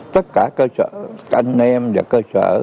tất cả cơ sở anh em và cơ sở